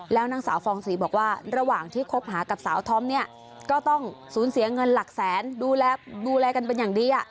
แล้วนางสาวฟองศรีบอกว่าระหว่างที่คบหากับสาวทอมเนี่ยก็ต้องสูญเสียเงินหลักแสนดูแลกันเป็นอย่างดี